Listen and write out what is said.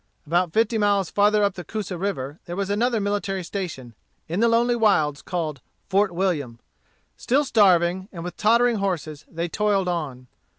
About fifty miles farther up the Coosa River there was another military station, in the lonely wilds, called Fort William. Still starving, and with tottering horses, they toiled on.